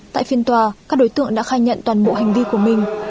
tại phiên tòa các đối tượng đã khai nhận toàn bộ hành vi của mình